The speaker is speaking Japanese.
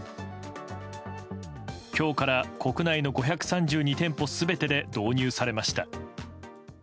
今日から国内の５３２店舗全てで導入されました。